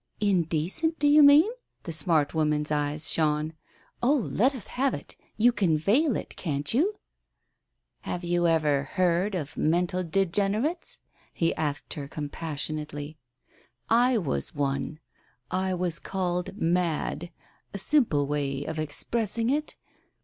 "Indecent, do you mean ?" The smart woman's eyes shone. "Oh, let us have it. You can veil it, can't you ?"" Have you ever heard of mental degenerates ?" he asked her compassionately. "I was one. I was called mad — a simple way of expressing it.